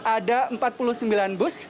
ada empat puluh sembilan bus